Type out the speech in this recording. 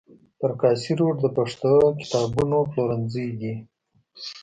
پر کاسي روډ د پښتو کتابونو پلورنځي دي.